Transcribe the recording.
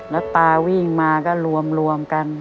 แล้วตาวิ่งมาก็รวมกัน